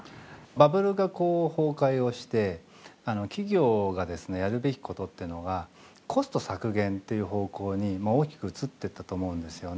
バブルが崩壊をして企業がですねやるべきことっていうのがコスト削減っていう方向に大きく移っていったと思うんですよね。